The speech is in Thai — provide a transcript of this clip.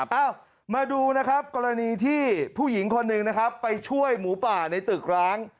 เอ้ามาดูกรณีที่ผู้หญิงคนหนึ่งไปช่วยหมูป่าในตึกร้าง